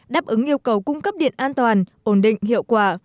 đáp ứng yêu cầu cung cấp điện an toàn ổn định hiệu quả